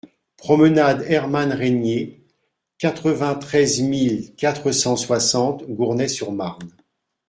Promenade Hermann Régnier, quatre-vingt-treize mille quatre cent soixante Gournay-sur-Marne